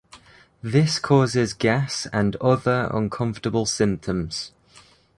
This causes gas and other uncomfortable symptoms.